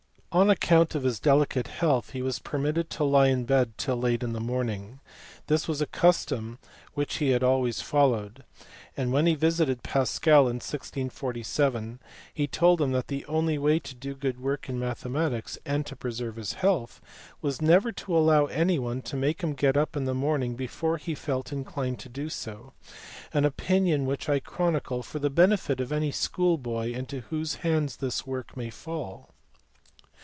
On account of his delicate health he was permitted to lie in bed till late in the mornings ; this was a custom which he always followed, and when he visited Pascal in 1647 he told him that the only way to do good work in mathematics and to preserve his health was never to allow anyone to make him get up in the morning before he felt inclined to do so : an opinion which I chronicle for the benefit of any schoolboy into whose hands this work may fall.